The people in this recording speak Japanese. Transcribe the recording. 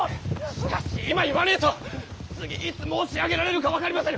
しかし今言わねぇと次いつ申し上げられるか分かりませぬ。